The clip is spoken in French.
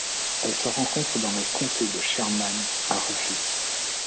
Elle se rencontre dans le comté de Sherman à Rufus.